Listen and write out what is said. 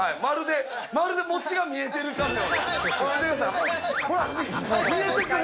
まるで餅が見えてるかのように見えてくる。